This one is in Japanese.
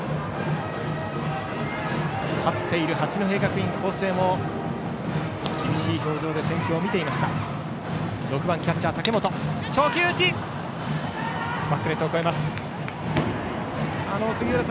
勝っている八戸学院光星も厳しい表情で戦況を見る。